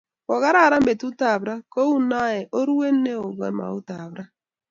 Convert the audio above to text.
kokararan betukab ra, kou noee ko orue neoo kemoutab ra